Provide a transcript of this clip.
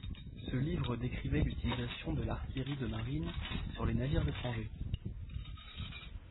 Ce livre décrivait l'utilisation de l'artillerie de marine sur les navires étrangers.